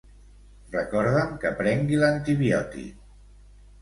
Recorda'm que prengui l'antibiòtic.